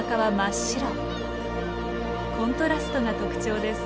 コントラストが特徴です。